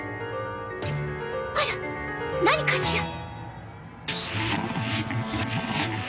あら何かしら？